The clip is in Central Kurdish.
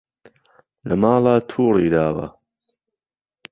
لە ماڵا توڕی داوە